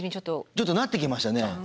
ちょっとなってきましたね。